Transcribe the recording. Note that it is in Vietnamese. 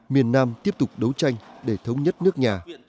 miền nam tiếp tục đấu tranh để thống nhất nước nhà